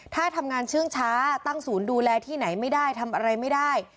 ถ้าทำงานเชื่องช้าตั้งศูนย์ดูแลที่ไหนไม่ได้ทำอะไรไม่ได้